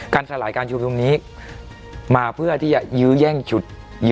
สลายการชุมนุมตรงนี้มาเพื่อที่จะยื้อแย่งชุด